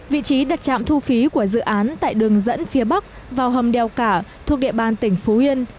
vị trí đặt trạm thu phí của dự án tại đường dẫn phía bắc vào hầm đèo cả thuộc địa bàn tỉnh phú yên